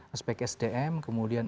aspek sdm kemudian